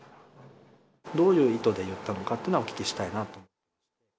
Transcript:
どういう意図で言ったのかというのは、お聞きしたいなと思ってます。